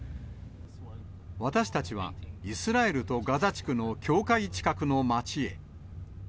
私たちは、イスラエルとガザ地区の境界近くの町へ。